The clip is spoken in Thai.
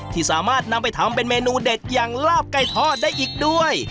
ที่สามารถนำไปทำเป็นเมนูเด็ดอย่างลาบไก่ทอดได้อีกด้วย